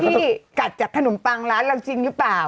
ไปกัดจากขนมปังร้านเราจริงหรือเปล่า